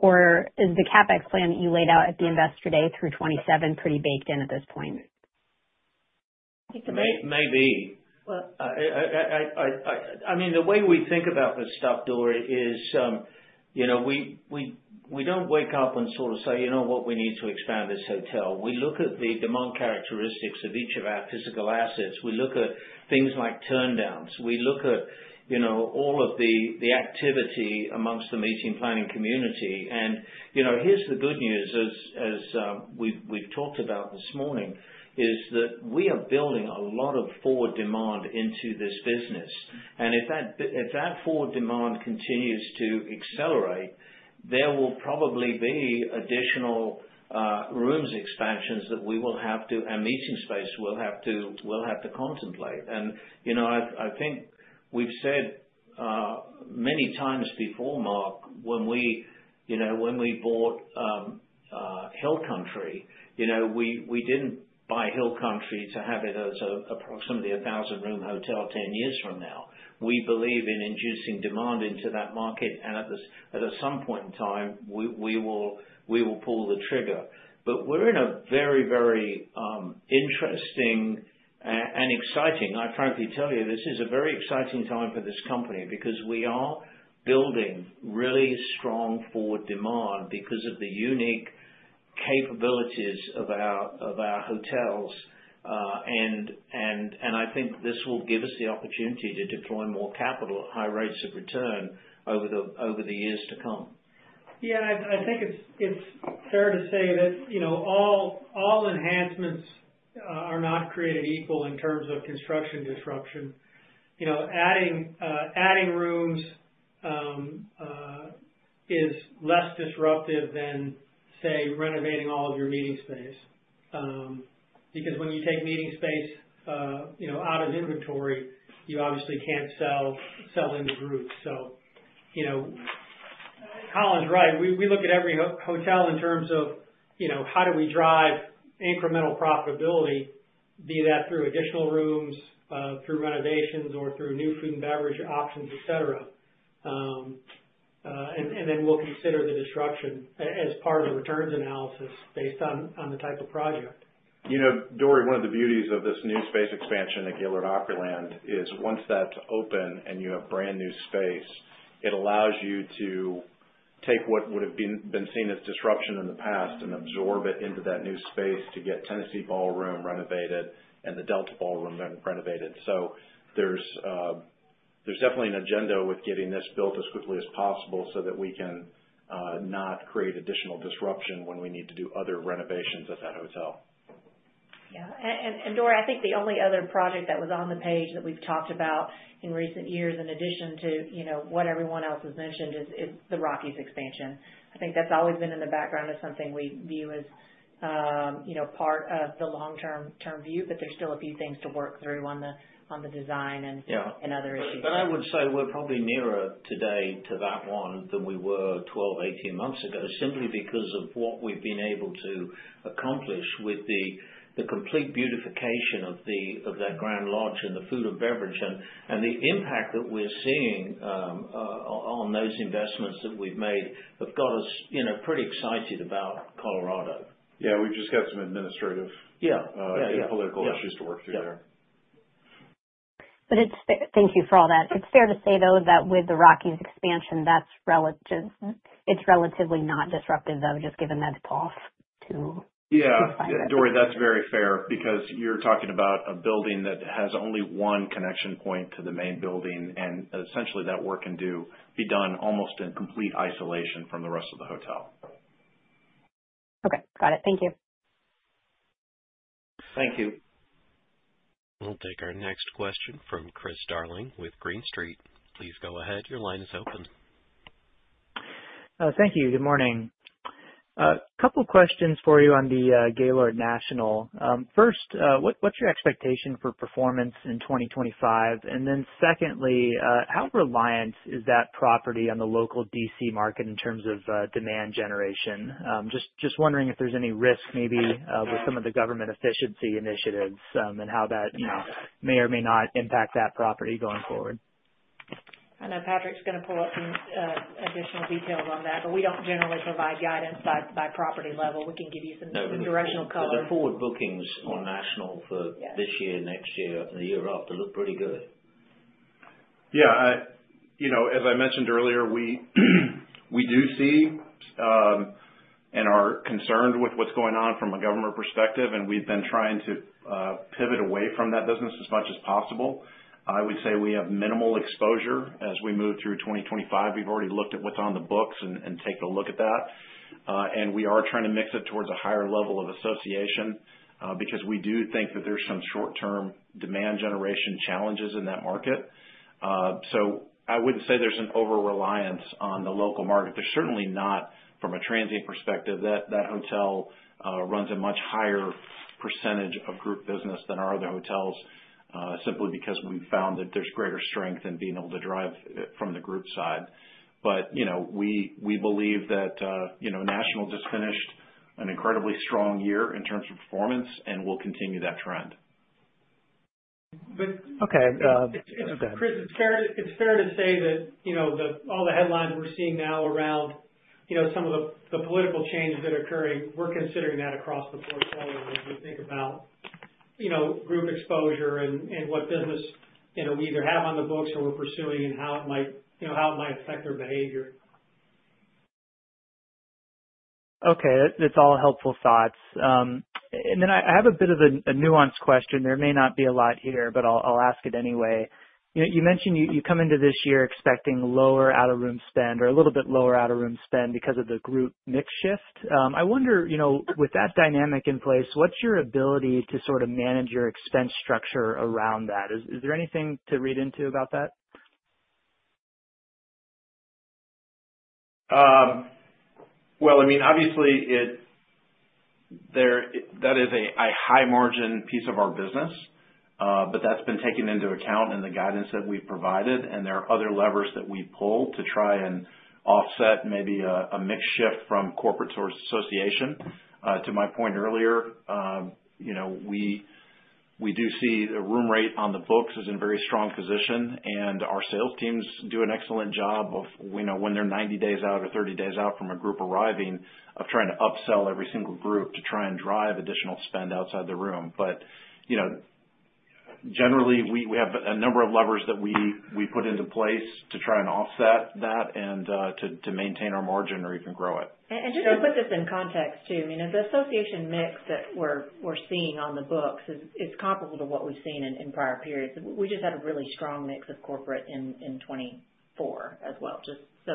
I: or is the CapEx plan that you laid out at the Investor Day through 2027 pretty baked in at this point?
C: Maybe. I mean, the way we think about this stuff, Dori, is we don't wake up and sort of say, "We need to expand this hotel." We look at the demand characteristics of each of our physical assets. We look at things like turndowns. We look at all of the activity amongst the meeting planning community. And here's the good news, as we've talked about this morning, is that we are building a lot of forward demand into this business. And if that forward demand continues to accelerate, there will probably be additional rooms expansions that we will have to and meeting space we'll have to contemplate. And I think we've said many times before, Mark, when we bought Hill Country, we didn't buy Hill Country to have it as approximately a 1,000-room hotel 10 years from now. We believe in inducing demand into that market, and at some point in time, we will pull the trigger, but we're in a very, very interesting and exciting, I frankly tell you, this is a very exciting time for this company because we are building really strong forward demand because of the unique capabilities of our hotels, and I think this will give us the opportunity to deploy more capital at high rates of return over the years to come.
D: Yeah, I think it's fair to say that all enhancements are not created equal in terms of construction disruption. Adding rooms is less disruptive than, say, renovating all of your meeting space. Because when you take meeting space out of inventory, you obviously can't sell them to groups. So, Colin's right. We look at every hotel in terms of how do we drive incremental profitability, be that through additional rooms, through renovations, or through new food and beverage options, etc. And then we'll consider the disruption as part of the returns analysis based on the type of project.
F: Dori, one of the beauties of this new space expansion at Gaylord Opryland is once that's open and you have brand new space, it allows you to take what would have been seen as disruption in the past and absorb it into that new space to get Tennessee Ballroom renovated and the Delta Ballroom renovated. So there's definitely an agenda with getting this built as quickly as possible so that we can not create additional disruption when we need to do other renovations at that hotel.
B: Yeah. And Dori, I think the only other project that was on the page that we've talked about in recent years, in addition to what everyone else has mentioned, is the Rockies expansion. I think that's always been in the background as something we view as part of the long-term view, but there's still a few things to work through on the design and other issues.
C: But I would say we're probably nearer today to that one than we were 12, 18 months ago simply because of what we've been able to accomplish with the complete beautification of that Grand Lodge and the food and beverage. And the impact that we're seeing on those investments that we've made have got us pretty excited about Colorado.
F: Yeah, we've just got some administrative and political issues to work through there.
I: But thank you for all that. It's fair to say, though, that with the Rockies expansion, it's relatively not disruptive, though, just given that it's off too.
F: Yeah. Dori, that's very fair because you're talking about a building that has only one connection point to the main building, and essentially that work can be done almost in complete isolation from the rest of the hotel.
I: Okay. Got it. Thank you.
F: Thank you.
A: We'll take our next question from Chris Darling with Green Street. Please go ahead. Your line is open.
J: Thank you. Good morning. A couple of questions for you on the Gaylord National. First, what's your expectation for performance in 2025? And then secondly, how reliant is that property on the local D.C. market in terms of demand generation? Just wondering if there's any risk maybe with some of the government efficiency initiatives and how that may or may not impact that property going forward.
B: I know Patrick's going to pull up some additional details on that, but we don't generally provide guidance by property level. We can give you some directional color.
C: Looking forward, bookings on National for this year, next year, and the year after look pretty good.
F: Yeah. As I mentioned earlier, we do see and are concerned with what's going on from a government perspective, and we've been trying to pivot away from that business as much as possible. I would say we have minimal exposure as we move through 2025. We've already looked at what's on the books and taken a look at that. And we are trying to mix it towards a higher level of association because we do think that there's some short-term demand generation challenges in that market. So I wouldn't say there's an over-reliance on the local market. There's certainly not, from a transient perspective, that that hotel runs a much higher percentage of group business than our other hotels simply because we've found that there's greater strength in being able to drive from the group side. But we believe that National just finished an incredibly strong year in terms of performance and will continue that trend.
J: Okay. Go ahead.
D: It's fair to say that all the headlines we're seeing now around some of the political changes that are occurring. We're considering that across the portfolio as we think about group exposure and what business we either have on the books or we're pursuing and how it might affect their behavior.
J: Okay. That's all helpful thoughts. And then I have a bit of a nuanced question. There may not be a lot here, but I'll ask it anyway. You mentioned you come into this year expecting lower out-of-room spend or a little bit lower out-of-room spend because of the group mix shift. I wonder, with that dynamic in place, what's your ability to sort of manage your expense structure around that? Is there anything to read into about that?
F: Well, I mean, obviously, that is a high-margin piece of our business, but that's been taken into account in the guidance that we've provided. And there are other levers that we pull to try and offset maybe a mix shift from corporate to association. To my point earlier, we do see the room rate on the books is in very strong position. And our sales teams do an excellent job of when they're 90 days out or 30 days out from a group arriving, of trying to upsell every single group to try and drive additional spend outside the room. But generally, we have a number of levers that we put into place to try and offset that and to maintain our margin or even grow it.
B: And just to put this in context too, I mean, the association mix that we're seeing on the books is comparable to what we've seen in prior periods. We just had a really strong mix of corporate in 2024 as well. So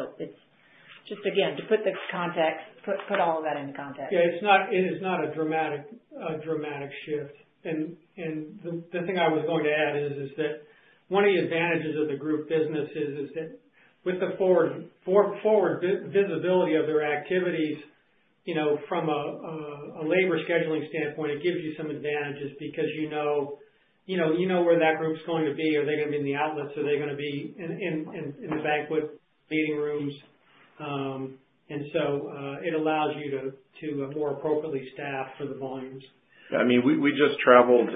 B: just again, to put all of that into context.
D: Yeah, it is not a dramatic shift, and the thing I was going to add is that one of the advantages of the group business is that with the forward visibility of their activities, from a labor scheduling standpoint, it gives you some advantages because you know where that group's going to be. Are they going to be in the outlets? Are they going to be in the banquet meeting rooms? And so it allows you to more appropriately staff for the volumes.
F: I mean, we just traveled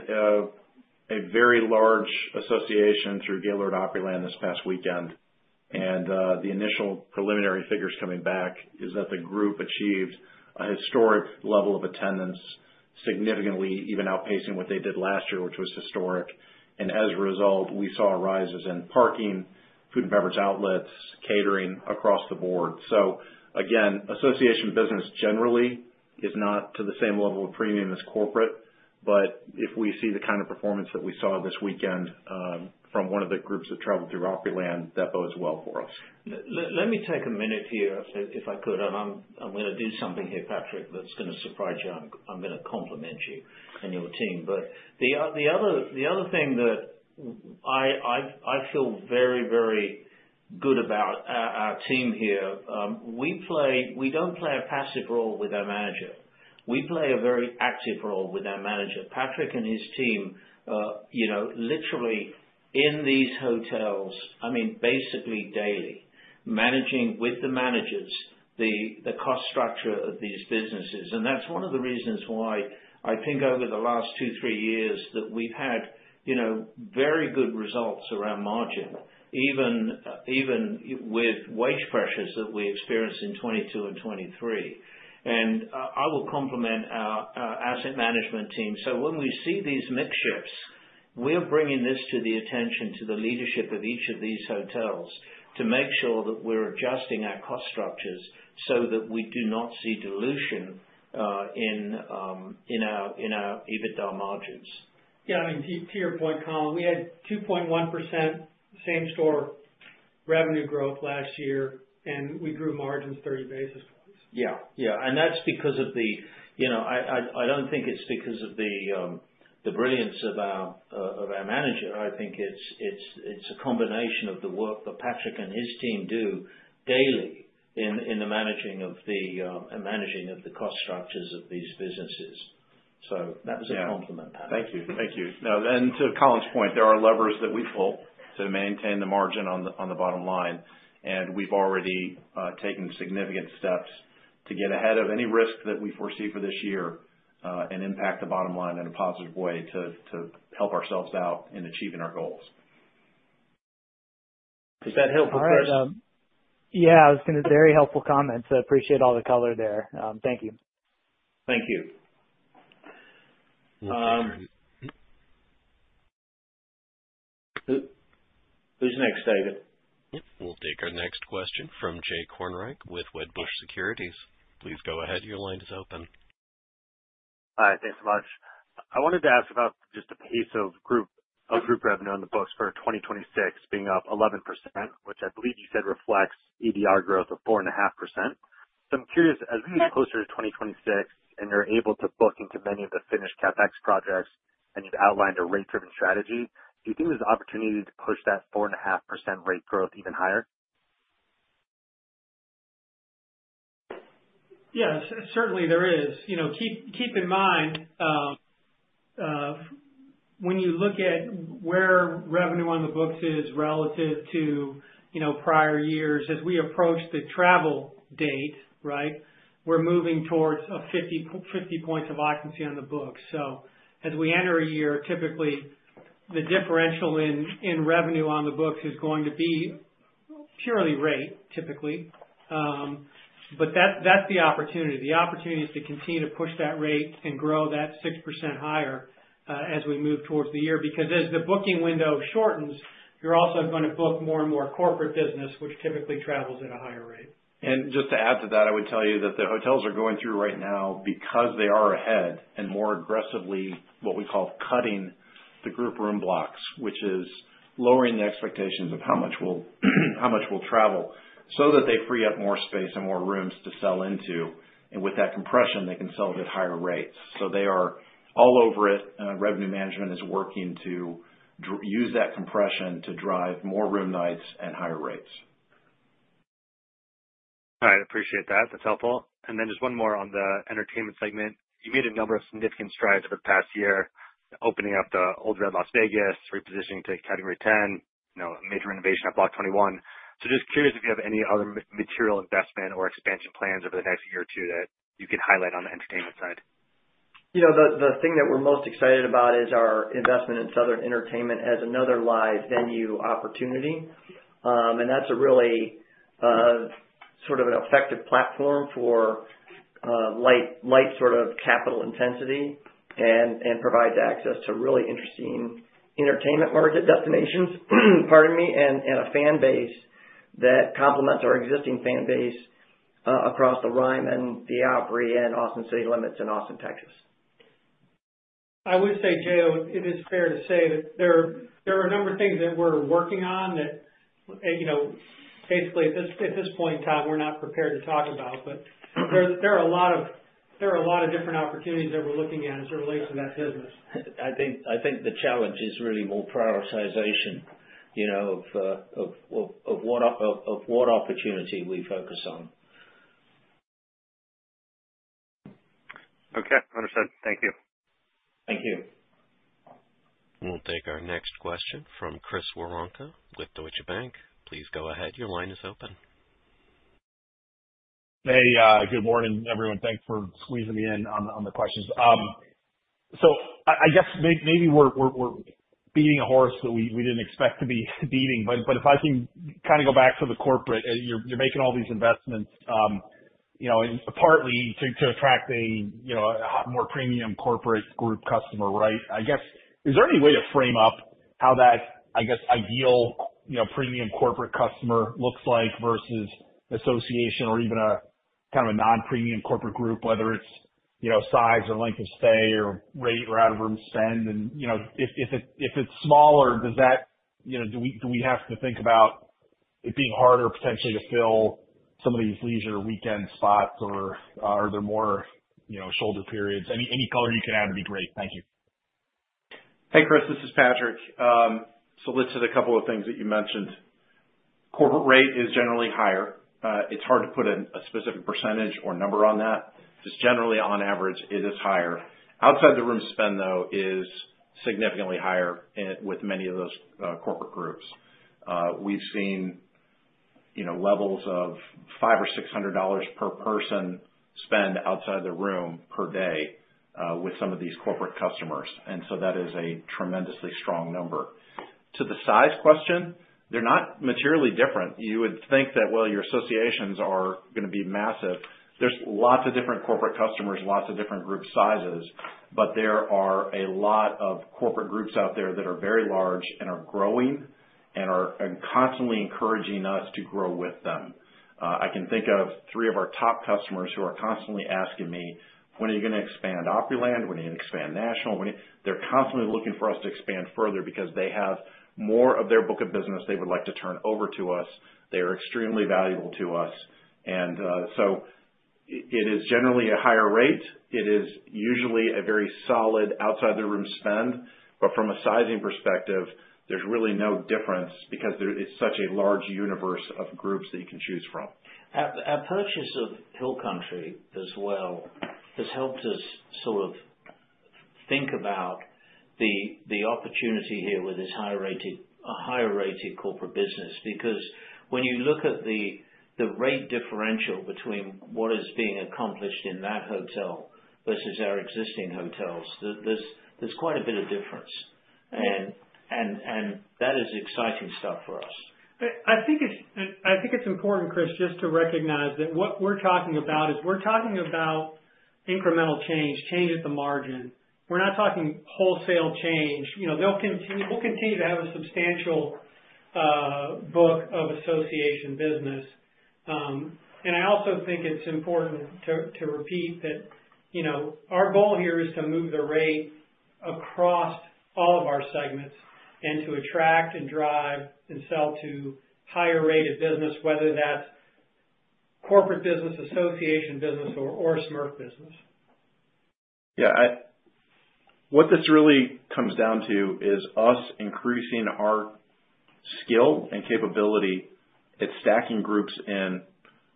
F: a very large association through Gaylord Opryland this past weekend, and the initial preliminary figures coming back is that the group achieved a historic level of attendance, significantly even outpacing what they did last year, which was historic, and as a result, we saw rises in parking, food and beverage outlets, catering across the board, so again, association business generally is not to the same level of premium as corporate, but if we see the kind of performance that we saw this weekend from one of the groups that traveled through Opryland, that bodes well for us.
C: Let me take a minute here, if I could. I'm going to do something here, Patrick, that's going to surprise you. I'm going to compliment you and your team. But the other thing that I feel very, very good about our team here, we don't play a passive role with our manager. We play a very active role with our manager. Patrick and his team literally in these hotels, I mean, basically daily, managing with the managers the cost structure of these businesses. And that's one of the reasons why I think over the last two, three years that we've had very good results around margin, even with wage pressures that we experienced in 2022 and 2023. And I will compliment our asset management team. So when we see these mix shifts, we are bringing this to the attention of the leadership of each of these hotels to make sure that we're adjusting our cost structures so that we do not see dilution in our EBITDA margins.
D: Yeah. I mean, to your point, Colin, we had 2.1% same-store revenue growth last year, and we grew margins 30 basis points.
C: Yeah. Yeah. And that's because of the. I don't think it's because of the brilliance of our manager. I think it's a combination of the work that Patrick and his team do daily in the managing of the cost structures of these businesses. So that was a compliment, Patrick.
F: Thank you. Thank you. And to Colin's point, there are levers that we pull to maintain the margin on the bottom line. And we've already taken significant steps to get ahead of any risk that we foresee for this year and impact the bottom line in a positive way to help ourselves out in achieving our goals. Does that help, Chris?
J: Yeah. It's been a very helpful comment. So I appreciate all the color there. Thank you.
C: Thank you. Who's next, David?
A: We'll take our next question from Jay Kornreich with Wedbush Securities. Please go ahead. Your line is open.
K: Hi. Thanks so much. I wanted to ask about just a piece of group revenue on the books for 2026 being up 11%, which I believe you said reflects EDR growth of 4.5%. So I'm curious, as we get closer to 2026 and you're able to book into many of the finished CapEx projects and you've outlined a rate-driven strategy, do you think there's an opportunity to push that 4.5% rate growth even higher?
D: Yeah. Certainly, there is. Keep in mind, when you look at where revenue on the books is relative to prior years, as we approach the travel date, right, we're moving towards 50 points of occupancy on the books. So as we enter a year, typically, the differential in revenue on the books is going to be purely rate, typically. But that's the opportunity. The opportunity is to continue to push that rate and grow that 6% higher as we move towards the year. Because as the booking window shortens, you're also going to book more and more corporate business, which typically travels at a higher rate.
F: And just to add to that, I would tell you that the hotels are going through right now, because they are ahead and more aggressively what we call cutting the group room blocks, which is lowering the expectations of how much will travel so that they free up more space and more rooms to sell into. And with that compression, they can sell at higher rates. So they are all over it. Revenue management is working to use that compression to drive more room nights and higher rates.
K: All right. Appreciate that. That's helpful. And then just one more on the entertainment segment. You made a number of significant strides over the past year opening up the Ole Red Las Vegas, repositioning to Category 10, a major innovation at Block 21. So just curious if you have any other material investment or expansion plans over the next year or two that you could highlight on the entertainment side.
C: The thing that we're most excited about is our investment in Southern Entertainment as another live venue opportunity, and that's a really sort of an effective platform for light sort of capital intensity and provides access to really interesting entertainment destinations, pardon me, and a fan base that complements our existing fan base across the Ryman and the Opry and Austin City Limits in Austin, Texas.
D: I would say, Jay, it is fair to say that there are a number of things that we're working on that basically at this point in time, we're not prepared to talk about. But there are a lot of different opportunities that we're looking at as it relates to that business.
C: I think the challenge is really more prioritization of what opportunity we focus on.
K: Okay. Understood. Thank you.
C: Thank you.
A: We'll take our next question from Chris Woronka with Deutsche Bank. Please go ahead. Your line is open.
L: Hey. Good morning, everyone. Thanks for squeezing me in on the questions. So I guess maybe we're beating a horse that we didn't expect to be beating. But if I can kind of go back to the corporate, you're making all these investments partly to attract a more premium corporate group customer, right? I guess, is there any way to frame up how that, I guess, ideal premium corporate customer looks like versus association or even a kind of a non-premium corporate group, whether it's size or length of stay or rate or out-of-room spend? And if it's smaller, do we have to think about it being harder potentially to fill some of these leisure weekend spots or are there more shoulder periods? Any color you can add would be great. Thank you.
F: Hey, Chris. This is Patrick. So let's hit a couple of things that you mentioned. Corporate rate is generally higher. It's hard to put a specific percentage or number on that. Just generally, on average, it is higher. Outside-the-room spend, though, is significantly higher with many of those corporate groups. We've seen levels of $500 or $600 per person spend outside the room per day with some of these corporate customers. And so that is a tremendously strong number. To the size question, they're not materially different. You would think that, well, your associations are going to be massive. There's lots of different corporate customers, lots of different group sizes, but there are a lot of corporate groups out there that are very large and are growing and are constantly encouraging us to grow with them. I can think of three of our top customers who are constantly asking me, "When are you going to expand Opryland? When are you going to expand National?" They're constantly looking for us to expand further because they have more of their book of business they would like to turn over to us. They are extremely valuable to us. And so it is generally a higher rate. It is usually a very solid outside-the-room spend. But from a sizing perspective, there's really no difference because it's such a large universe of groups that you can choose from.
C: Our purchase of Hill Country as well has helped us sort of think about the opportunity here with this higher-rated corporate business. Because when you look at the rate differential between what is being accomplished in that hotel versus our existing hotels, there's quite a bit of difference, and that is exciting stuff for us.
D: I think it's important, Chris, just to recognize that what we're talking about is we're talking about incremental change, change at the margin. We're not talking wholesale change. We'll continue to have a substantial book of association business. And I also think it's important to repeat that our goal here is to move the rate across all of our segments and to attract and drive and sell to higher-rated business, whether that's corporate business, association business, or SMERF business.
F: Yeah. What this really comes down to is us increasing our skill and capability at stacking groups in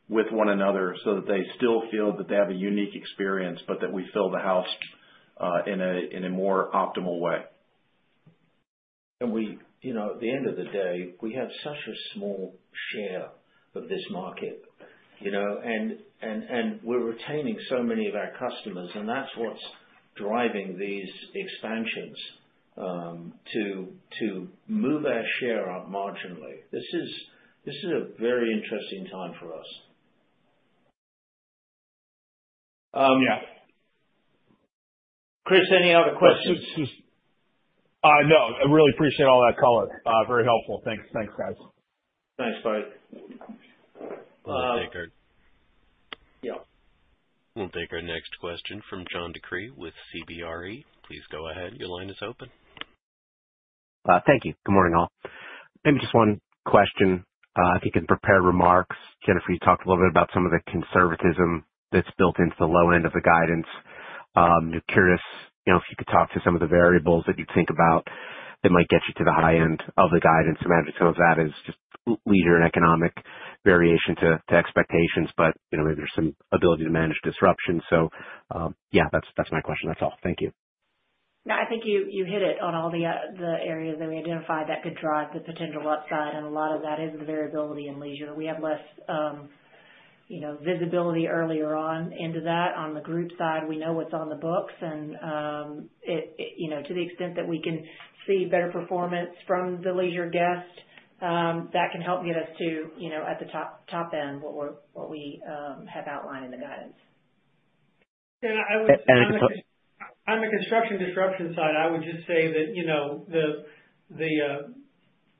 F: with one another so that they still feel that they have a unique experience, but that we fill the house in a more optimal way.
D: At the end of the day, we have such a small share of this market. And we're retaining so many of our customers. And that's what's driving these expansions to move our share up marginally. This is a very interesting time for us.
F: Yeah.
C: Chris, any other questions?
L: No. I really appreciate all that, Colin. Very helpful. Thanks. Thanks, guys.
C: Thanks, buddy.
A: We'll take our next question from John DeCree with CBRE. Please go ahead. Your line is open.
M: Thank you. Good morning, all. Maybe just one question, if you can prepare remarks. Jennifer, you talked a little bit about some of the conservatism that's built into the low end of the guidance. Curious if you could talk to some of the variables that you think about that might get you to the high end of the guidance. I imagine some of that is just labor and economic variation from expectations, but maybe there's some ability to manage disruption. So yeah, that's my question. That's all. Thank you.
B: No, I think you hit it on all the areas that we identified that could drive the potential upside, and a lot of that is the variability in leisure. We have less visibility earlier on into that. On the group side, we know what's on the books, and to the extent that we can see better performance from the leisure guest, that can help get us to, at the top end, what we have outlined in the guidance.
D: And on the construction disruption side, I would just say that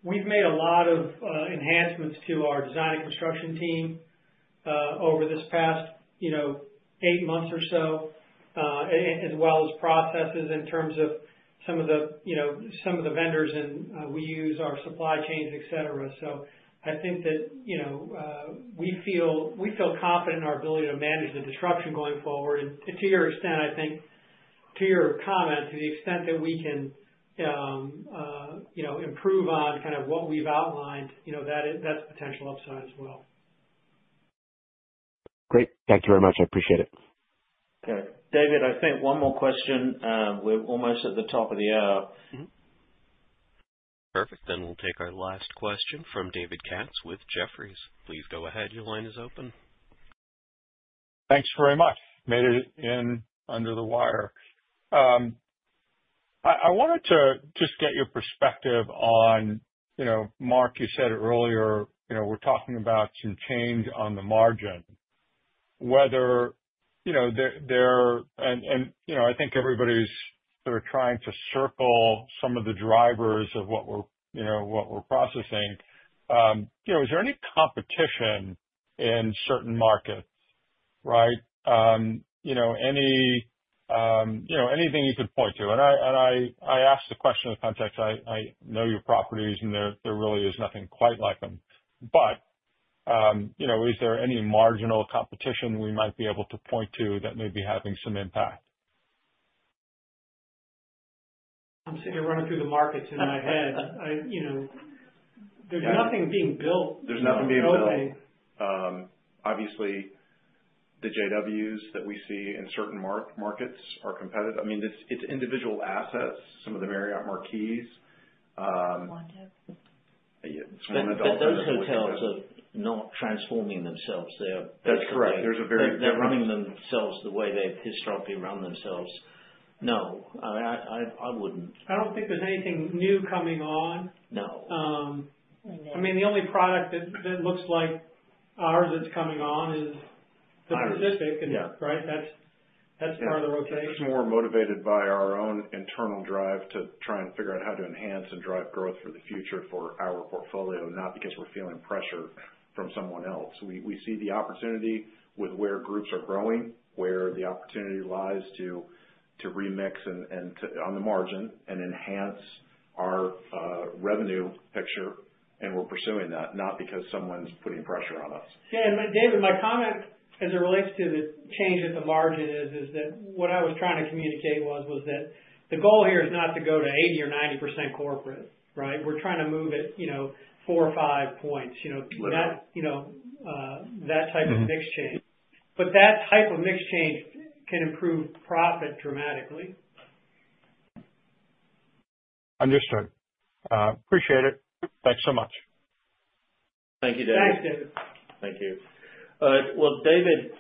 D: we've made a lot of enhancements to our design and construction team over this past eight months or so, as well as processes in terms of some of the vendors we use, our supply chains, etc. So I think that we feel confident in our ability to manage the disruption going forward. And to your point, I think, to your comment, to the extent that we can improve on kind of what we've outlined, that's potential upside as well.
M: Great. Thank you very much. I appreciate it.
C: Okay. David, I think one more question. We're almost at the top of the hour.
A: Perfect. Then we'll take our last question from David Katz with Jefferies. Please go ahead. Your line is open.
N: Thanks very much. Made it in under the wire. I wanted to just get your perspective on, Mark, you said earlier, we're talking about some change on the margin, whether there and I think everybody's sort of trying to circle some of the drivers of what we're processing. Is there any competition in certain markets, right? Anything you could point to? And I ask the question in the context I know your properties, and there really is nothing quite like them. But is there any marginal competition we might be able to point to that may be having some impact?
D: I'm sitting here running through the markets in my head. There's nothing being built.
F: There's nothing being built. Obviously, the JWs that we see in certain markets are competitive. I mean, it's individual assets, some of the Marriott Marquis.
C: Those hotels are not transforming themselves. They're.
F: That's correct. They're very...
C: They're running themselves the way they've historically run themselves. No. I wouldn't.
D: I don't think there's anything new coming on.
C: No.
D: I mean, the only product that looks like ours that's coming on is the Pacific, right? That's part of the rotation.
F: It's more motivated by our own internal drive to try and figure out how to enhance and drive growth for the future for our portfolio, not because we're feeling pressure from someone else. We see the opportunity with where groups are growing, where the opportunity lies to remix on the margin and enhance our revenue picture, and we're pursuing that, not because someone's putting pressure on us.
D: Yeah, and David, my comment as it relates to the change at the margin is that what I was trying to communicate was that the goal here is not to go to 80% or 90% corporate, right? We're trying to move it four or five points, that type of mixed change. But that type of mixed change can improve profit dramatically.
N: Understood. Appreciate it. Thanks so much.
C: Thank you, David.
D: Thanks, David.
C: Thank you. Well, David,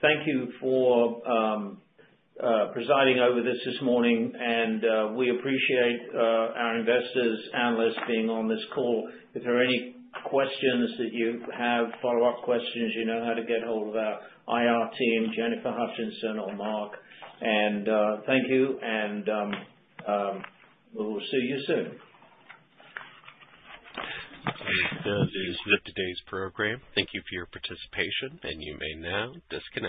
C: thank you for presiding over this morning. And we appreciate our investors, analysts being on this call. If there are any questions that you have, follow-up questions, you know how to get hold of our IR team, Jennifer Hutcheson or Mark. And thank you. And we will see you soon.
A: That is today's program. Thank you for your participation, and you may now disconnect.